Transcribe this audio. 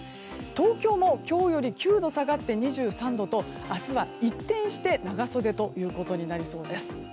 東京も今日より９度下がって２３度と明日は一転して長袖ということになりそうです。